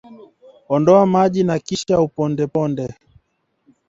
Ondoa maji na kisha ukipondeponde